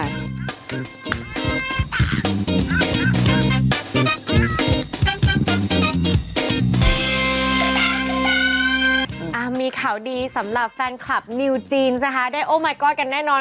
อ่ามีข่าวดีสำหรับแฟนคลับนิวจีนนะคะได้โอไมกอดกันแน่นอน